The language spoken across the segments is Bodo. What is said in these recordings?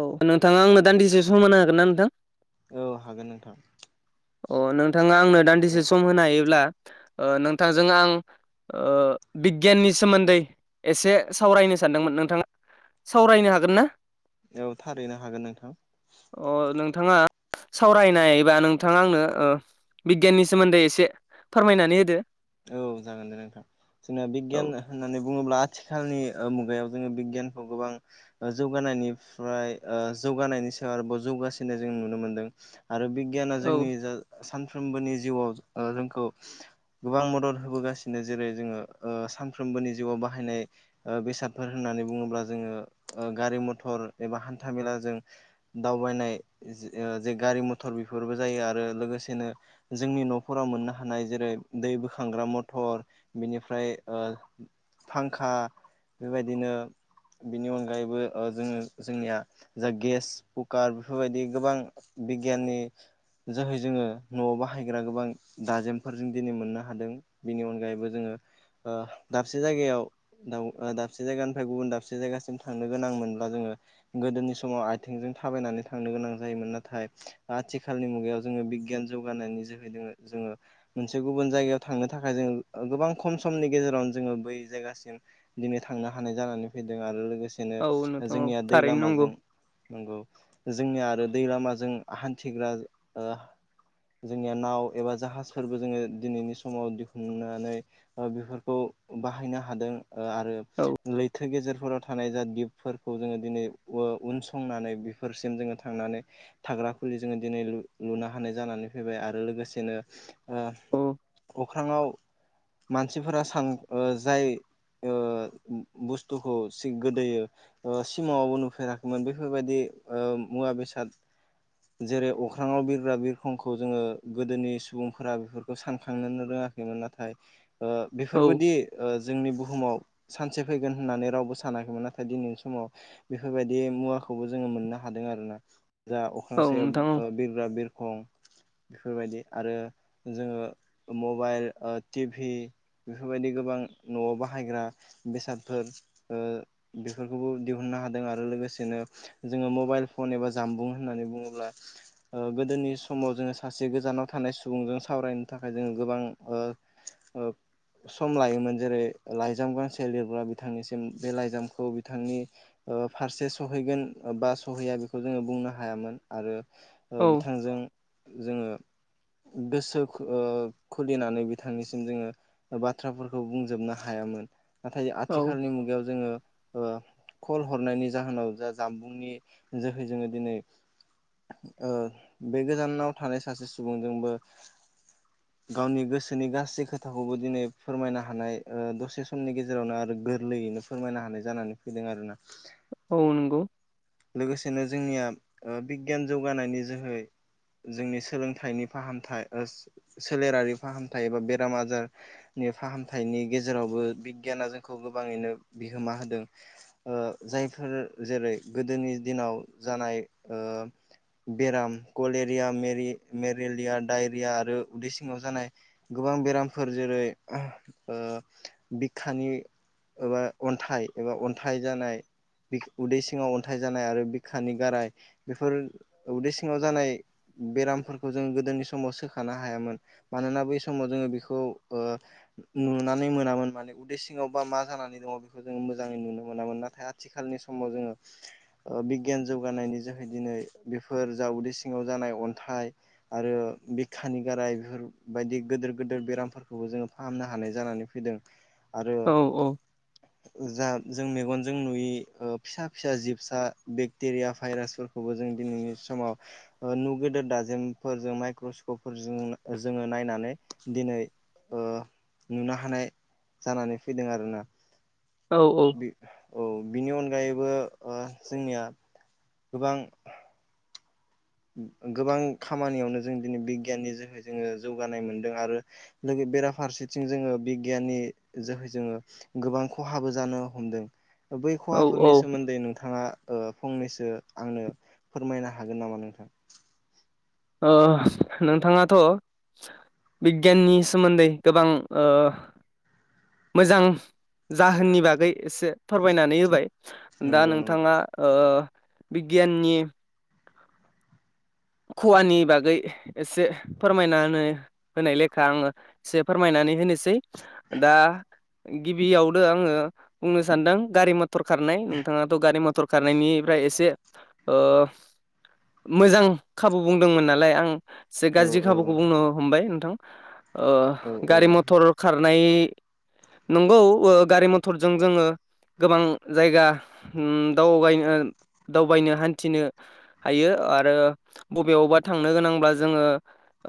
औ नोंथाङा आंनो दान्दिसे सम होनो होगोन ना नोंथां। औ हागोन नोंथां अ नोंथाङा आंनो औ दान्दिसे सम होनो हायोब्ला ओ नोंथांजों आं ओ बिगियाननि सोमोन्दै एसे सावरायनो सानदोंमोन नोंथाङा सावरायनो हागोन ना? औ थारैनो हागोन नोंथां। सावरायनायबा नों नोंथाङा आंनो ओ बिगियाननि सोमोन्दै एसे फोरमायनानै होदो। औ जागोन दे नोंथां जोंना औ बिगियान होननानै बुङोब्ला आथिखालनि ओ मु बेयाव जोङो बिगियानखौ गोबां ओ जौगानायनिफ्राय ओ जौगानायनि सायाव आरोबाव जौगासिन जों नुनो मोनदों आरो बिगियाना औ जोंनि जा सानफ्रोमबोनि जिउआव ओ जोंखौ गोबां मदद होबोगासिनो जेरै जोङो ओ सानफ्रोमबोनि जिउवा बाहायनाय बेसादफोर होननानै बुङोब्ला जोङो ओ गारि मथर एबा हान्था मेलाजों दावबायनाय ओ जे गारि मथर बेफोरबो जायो आरो लोगोसेनो जोंनि न'फोराव मोननो हानाय जेरै दै बोखांग्रा मथर बिनिफ्राय ओ फांखा बेबायदिनो बेनि अनगायैबो ओ जोङो जोंनिया जा गेस कुकार बेफोरबायदि गोबां बिगियाननि जोहै जोङो न'आव बाहायग्रा गोबां दाजेमफोरजों दिनै मोननो हादों बिनि अनगायैबो जोङो ओ दाबसे जायगायाव दाबसे जायगानिफ्राय गुबुन दाबसे जायगासिम थांनो गोनां मोनब्ला जोङो गोदोनि समाव आथिंजों थाबायनानै थांनो गोनां जायोमोन नाथाय आथिखालनि मुगायाव जोङो बिगियान जौगानायनि जोहैदों जोङो मोनसे गुबुन जायगायाव थांनो थाखाय जोङो गोबां खम समनि गेजेरावनो जोङो बै जायगासिम दिनै थां थांनो हानाय जानानै फैदों आरो लोगोसे सेनो औ नोंथां औ जोंनिया दै थारैनो नंगौ लामाजों नगौ जोंनिया आरो दै लामाजों हान्थिग्रा ओ जोंनिया नाव एबा जाहाज फोरबो जोङो दिनैनि समाव दिहुननानै ओ बेफोरखौ बाहायनो हादों ओ आरो औ लैथो गेजेर फोराव थानाय जा दिपफोरखौ जोङो दिनै उ उनसंनानै बेफोरसिम जोङो थांनानै था ग्रा खुलि जोङो दिनै लु-लुनो हानाय जानानै फैबाय आरो लोगोसेनो औ ओ अख्राङाव मानसिफोरा सां ओ जाय ओ बुस्थुखौ सि गोदोयो ओ सिमाङावबो नुफेराखैमोन बेफोरबायदि ओ मुवा बेसाद जेरै अख्राङाव बिरग्रा बिरखंखौ जोङो गोदोनि सुबुं फोरा बेफोरखौ सानखांनोनो रोङाखैमोन नाथाय ओ औ बेफोरबोदि ओ जोंनि बुहुमाव सानसे फैगोन होननानै रावबो सानाखैमोन नाथाय दिनैनि समाव बेफोरबायदि मुवाखौबो जोङो मोननो हादों आरोना जा अख्रां औ सायाव नोंथां औ ओ बिरग्रा बिरखं बेफोरबायदि आरो जोङो मबाइल ओ टिभि बेफोरबायदि गोबां न'आव बाहायग्रा बेसादफोर ओ बेफोरखौबो दिहुन नो हादों आरो लोगोसेनो जोङो मबाइल फन एबा जानबुं होननानै बुङोब्ला ओ गोदोनि समाव जोङो सासे गोजानाव थानाय सुबुंजों सावरायनो थाखाय जोङो गोबां ओ ओ सम लायोमोन जेरै लाइजाम गांसे लिरग्रा बिथांनिसिम बे लाइजामखौ बिथांनि ओ फारसे सहैगोन बा सहैया बेखौ जोङो बुंनो हायामोन आरो ओ औ बिथांजों जोङो गोस ओ खुलिनानै बिथांनिसिम जोङो बाथ्राफोरखौ बुंजोबनो हायामोन नाथाय औ आथिखालनि मुगायाव जोङो ओ खल हरनायनि जाहोनाव जा जामबुंनि जोहै जोङो दिनै ओ बे गोजानाव थानाय सासे सुबुंजोंबो गावनि गोसोनि गासै खोथाखौबो दिनै फोरमायनो हानाय ओ दसे समनि गेजेरावनो आरो गोरलै यैनो फोरमायनो हानाय जानानै फैदों आरो ना औ नंगौ लोगोसेनो जोंनिया ओ बिगियान जौगानायनि जोहै जोंनि सोलोंथाइनि फाहामथाय ओ सोलेरारि फाहामथाय एबा बेराम आजारनि फाहामथायनि गेजेरावबो बिगियान ना जोंखौ गोबाङैनो बिहोमा होदों ओ जायफोर जेरै गोदोनि दिनाव जानाय ओ बेराम कलेरिया मेरि-मेरिलिया डायरिया आरो उदै सिङाव जानाय गोबां बेरामफोर जेरै ओ [unintelligible] एबा अन्थाइ एबा अन्थाइ जानाय बि उदै सिङाव अनथाइ जानाय आरो बिखानि गाराय बेफोर उदै सिङाव जानाय बेरामफोरखौ जोङो गोदोनि सम समाव सोखानो हायामोन मानोना बै समाव जोङो बेखौ ओ नुनानै मोनामोन माने। उदै सिङाव बा मा जानानै दङ बेखौ जों मोजाङै नुनो मोनामोन नाथाय आथिखालनि समाव जोङो ओ बिगियान जौगानायनि जोहै दिनै बेफोर जा उदै सिङाव जानाय अनथाइ आरो बिखानि गाराय बेफोरबायायदि गिदिर गिदिर बेरामफोरखौबो जोङो फाहामनो हानाय जानानै फैदों। आरो औ जा जों मेगनजों नुयि ओ फिसा फिसा जिबसा बेक्टेरिया भाइरासफोरखौबो जों दिनैनि सम आव नुगेदेर दाजेमफोरजों माइक्र' सकपफोरजों जोङो नायनानै दिनै ओ नुनो हानाय जानानै फैदों आरोना। औ बि औ बिनि अनगायैबो ओ जोंनिया गोबां गोबां खामानियावनो जों दिनै बिगियाननि जाहै जोङो जौगानाय मोनदों आरो लोगो बेराफारसेथिं जोङो बिगियाननि जोहै जोङो गोबां खहाबो जानो हमदों। बै औ औ खहाफोरनि सोमोनदै नोंथाङा ओ फंनैसो आंनो फोरमायनो हागोन नामा नोंथां? [inaudible] ओ नोंथाङाथ' बिगियाननि सोमोनदै गोबां ओ मोजां जाहोननि बागै एसे फोरमायनानै होबाय दा नंगौ नंगौ नोंथाङा ओ बिगियाननि खुवानि बागै एसे फोरमायना होनो होनाय लेखा आङो एसे फोरमायनानै होनोसै है दा गिबियावनो आङो बुंनो सानदों गारि म थर खारनाय नोंथाङाथ' गारि मथर खारनायनिफ्राय एसे ओ मोजां खाबु बुंदोंमोन नालाय आं एसे औ गाज्रि औ खाबुखौ बुंनो हमबाय नोंथां ओ औ गारि औ मथर खार नाय नंगौ ओ गारि मथरजों जोङो गोबां जायगा उ दावबायनो दावबायनो हानथिनो हायो आरो बबेयावबा थांनो गोनांब्ला जोङो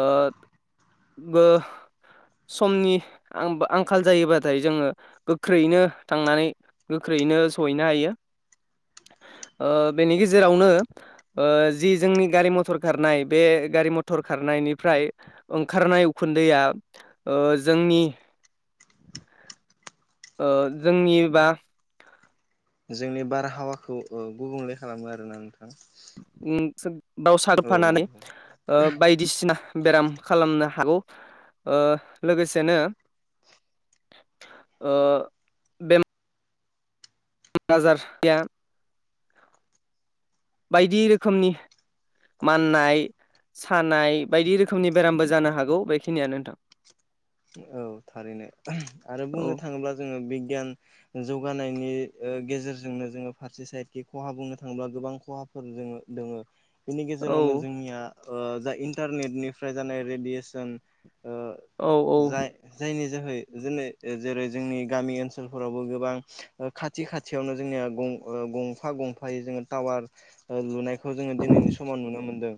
ओ समनि आ-आंखाल जायोबाथाय जोङो गोख्रैयैनो थांनानै गोख्रै नो सहैनो हायो। ओ बेनि गेजेरावनो ओ जि जोंनि गारि मथर खारनाय बे गारि मथर खारनायनिफ्राय ओंखारनाय उखुनदैया ओ जोंनि [inaudible] ओ जोंनि बा जोंनि बारहावाखौ ओ गुबुंले खालामो आरोना नोंथां। उम बाव औ सारफानानै नंगौ ओ बायदिसिना बेराम खालामनो हागौ। ओ लोगोसेनो ओ बेमा आजार गैया बायदि रोखोमनि माननाय सानाय बायदि रोखोमनि बेरामबो जानो हागौ बेखिनियानो नोंथां। औ थारैनो ओ आरो औ बुंनो थाङोब्ला जोङो बिगियान जौगानायनि गेजेरजोंनो जोङो फारसे साइडखि खहा बुंनो थाङोब्ला गोबां खहा फोर जोङो दोङो। बिनि औ गेजेरावनो जोंनिया ओ जा इन्टारनेटनिफ्राय जानाय रेडियेसन ओ औ औ जाय जायनि जोहै जोंनि गामि ओनसोलफोरावबो गोबां ओ खाथि खाथियावनो जोंनिया ओ गंफा गंफायै जोङो टावार ओ लुनाय खौ जोङो दिनैनि समाव नुनो मोनदों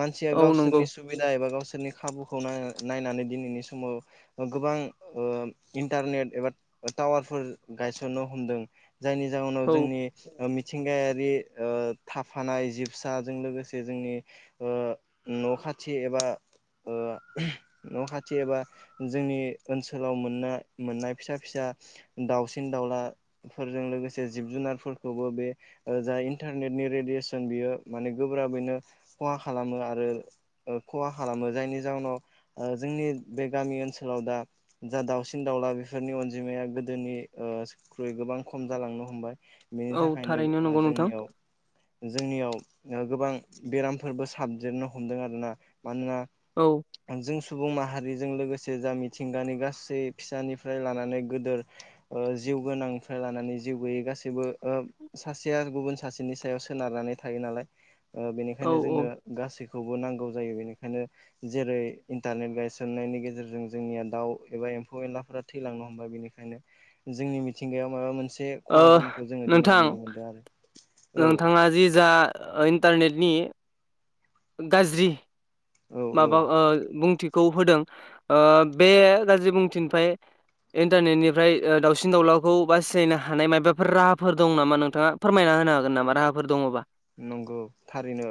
मानसिया औ नंगौ गावसोरनि सुबिदा एबा गावसोर नि खाबुखौ नाय-नायनानै दिनैनि समाव गोबां ओ इन्टारनेट एबा टावारफोर गायसननो हमदों। जायनि जाहोनाव औ जोंनि ओ मि थिंगायारि ओ थाफानाय जिबसाजों लोगोसे जोंनि ओ न' खाथि एबा ओ न' खाथि एबा जोंनि ओनसोलाव मोननाय मोननाय फिसा- फिसा दाउसिन दाउलाफोर लोगोसे जिब - जुनारफोरखौबो बे जा इन्टारनेनि रेदियेसन बियो माने गोब्राबैनो खहा खालामो आरो खहा खालामो जायनि जाउनाव जोंनि बे गामि ओनसोलाव दा जा दाउसिन -दाउला बेफोरनि अनजिमाया गोदोनिख्रुइ गोबां खम जालांनो हमबाय। बेनि औ थाखायनो थारैनो नंगौ नोंथां जोंनियाव - जोंनियाव गोबां बेरामफोरबो साबदेरनो हमदों आरोना मानोना औ जों सुबुं माहारि लोगोसे जा मिथिंगानि गासै फिसानिफ्राय लानानै गोदिर जिउ गोनां फ्राय लानानै जिउ गोैयै गासैबो सासेया गुबुन सासेनि सायाव सोनारनानै थायो नालाय। औ बेनिखायनो औ जोंनो गासैखौबो नांगौ जायो बेनिखायनो जेरै इन्टारनेट गायसंनाय गायसंनायनि गेजेरजों जोंनिया दाउ एबा एम्फौ- एनलाफोरा थैलांनो हमबाय बेनिखायनो जोंनि मिथिंगा माबा मोनसे ओ खहा जानायखौ जोङो दिनै नोंथां नुनो मोनदों आरो औ। नोंथाङा जि जा इन्टारनेटनि गाज्रि औ औ माबा बुंथि खौ होदों बे गाज्रि बुंथिनिफ्राय इन्टारनेटनिफ्राय दावसिन- दाउलाखौ बासायनो हानाय माबाफोर राहाफोर दं नामा नोंथाङा फोरमायनानै होनो हागोन नामा राहाफोर दङबा। नंगौ थारैनो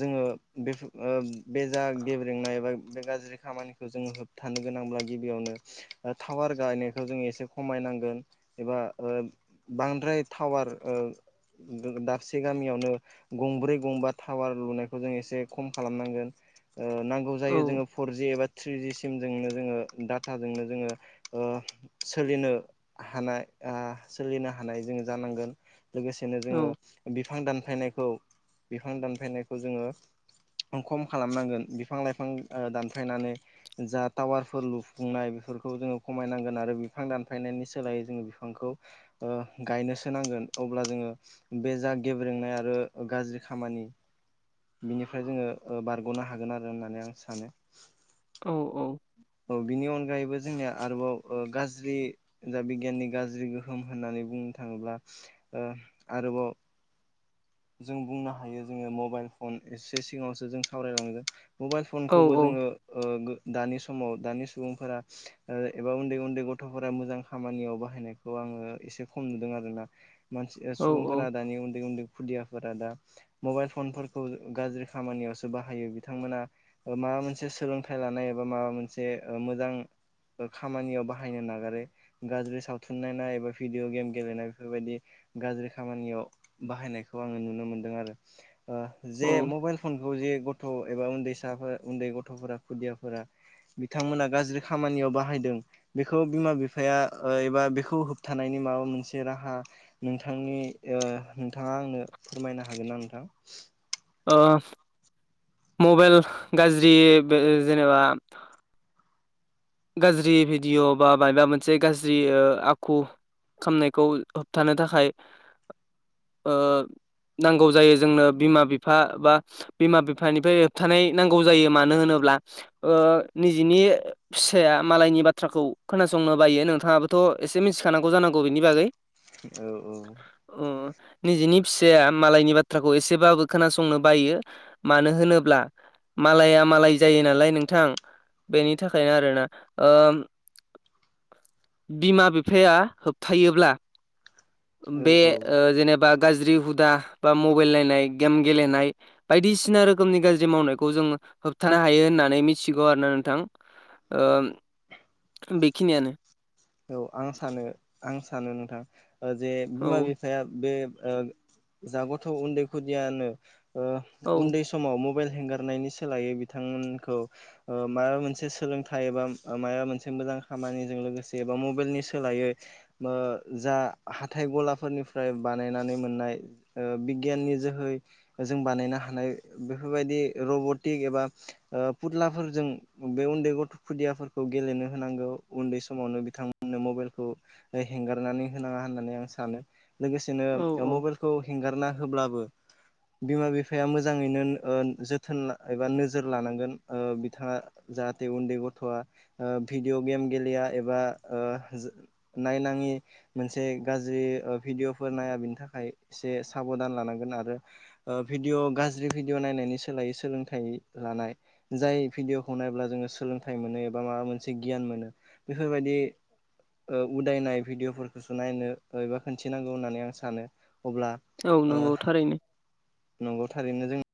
जोङो बे बे जा गेब्रेंनाय एबा बे गाज्रि खामानिखौ जों होबथानो गोनांब्ला गिबियावनो टावार गायनायखौ जों एसे खमाय नांगोन एबा बांद्राय टावार ओं दाबसे गामियावनो गंब्रै गंबा टावार लुनायखौ जों एसे खम खालाम नांगोन। नांगौ जायो औ जोङो फरजि एबा थ्रिजि सिमजोंनो जोङो डाटाजोंनो जोङो सोलिनो हानाय। सोलिनो हानाय जोङो जानांगोन लोगोसेनो जोङो। औ बिफां दानफायनायखौ बिफां दानफायनायखौ जोङो। खम खालाम नांगोन बिफां - लाइफां दानफ्रायनानै जा टावारफोर लुफुंनाय। बेफोरखौ जोङो खमाय नांगोन आरो बिफां दानफायनायनि सोलायै जोङो बिफांखौ गायनोसो नांगोन। अब्ला जोङो बे जा गेब्रेंनाय आरो गाज्रि खामानि बिनिफ्राय जोङो बारग'नो हागोन आरो होननानै आं सानो। औ औ बिनि अनगायैबो जोंनिया आरोबाव गाज्रि दा बिगियाननि गाज्रि गोहोम होननानै बुंनो थाङोब्ला। आरोबाव। जों बुंनो हायो जोङो मबाइल फन एसे सिगाङावसो जों सावरायलांदो। मबाइल औ फनखौबो जोङो दानि समाव दानि सुबुंफोरा एबा उन्दै- उन्दै गथ'फोरा मोजां खामानियाव बाहायनायखौ आङो एसे खम नुदों आरो ना मानसि औ सुबुंफोरा दानि उन्दै - उन्दै खुदियाफोरा दा मबाइल फनफोरखौ गाज्रि खामानियावसो बाहायो बिथांमोनहा मा माबा मोनसे सोलोंथाइ लानाय एबा माबा मोनसे मोजां खामानियाव बाहायनो नागारै गाज्रि सावथुन नायनाय एबा भिडिअ गेम गेलेनाय बेफोर बायदि गाज्रि खामानियाव बाहायनायखौ। आङो नुनो मोनदों आरो ओ औ जे मबाइल फनखौ जे गथ' एबा उन्दैसा फोर उन्दै गथ'फोरा खुदियाफोरा बिथांमोना गाज्रि खामानियाव बाहायदों बेखौ बिमा- बिफाया ओ एबा बेखौ होबथानायनि माबा मोनसे राहा नोंथांनि ओ नोंथाङा आंनो फोरमायनो हागोन ना नोंथां ओ मबाइल गाज्रि जेनेबा गाज्रि भिडिअ' बा मायबा मोनसे गाज्रि ओ आखु खामनायखौ होबथानो थाखाय ओ नांगौ जायो जोंनो बिमा - बिफा बा बिमा- बिफानिफ्राय होबथानाय नांगौ जायो मानो होनोब्ला ब्ला ओ निजिनि फिसाया मालायनि बाथ्राखौ खोनासंनो बायो नोंथाङाबोथ' एसे मिथिखानांगौ जानांगौ बेनि बागै औ औ अ निजेनि फिसाया मालायनि बाथ्राखौ एसेबाबो खोनासंनो बायो मानो होनोब्ला मालाया मालाय जायो नालाय नोंथां बेनि था खाय आरो ना ओ बिमा बिफाया होबथायोब्ला औ बे ओ औ जेनेबा गाज्रि हुदा बा मबाइल नायनाय गेम गेलेनाय बायदिसिना रोखोमनि गाज्रि मावनायखौ जोङो होबथानो हायो होननानै मिथिगौ आरो ना नोंथां। ओ बेखिनियानो औ आं सानो आं सानो नोंथां ओ जे बिमा औ बिफाया बे ओ जागथ' उन्दै खुदियानो ओ औ उन्दै समाव मबाइल हेंगारनायनि सोलायै बिथांमोनखौ ओ माबा मोनसे सोलोंथाइ एबा माबा मोनसे मोजां खामानिजों लोगोसे एबा मबाइलनि सोलायै ओ जा हाथाइ गलाफोरनिफ्राय बानायनानै मोननाय ओ बिगियाननि जोहै जों बानायनो हानाय बेफोरबायदि रबटिक एबा ओ फुदलाफोरजों बे उन्दै गथ' खुदियाफोरखौ गेलेनो होनांगौ उन्दै सम समावनो बिथांमोननो मबाइलखौ हेंगारनानै होनाङा होननानै आं सानो लोगोसेनो औ औ मबाइलखौ हेंगारना होब्लाबो बिमा बिफाया मोजाङैनो ओ जोथोन एबा नोजोर लानांगोन ओ बिथाङा जाहाथे उन्दै गथ'आ ओ भिडिअ गेम गेलेया एबा ओ नायनाङि मोनसे गाज्रि भिडिअफोर नाया बेनि थाखाय एसे साबधान लानांगोन आरो भिडिअ' गाज्रि भिडिय' नायनायनि सोलायै सोलोंथाइ लानाय जाय भिडिअखौ नायब्ला जोङो सोलोंथाइ मोनो एबा माबा मोनसे गियान मोनो बेफोरबायदि ओ उदायनाय भिडिअफोरखौसो नायनो एबा खिन्थिनांगौ होननानै आं सानो अब्ला औ ओ नंगौ थारैनो नंगौ थारैनो जों